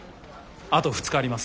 あと２日あります。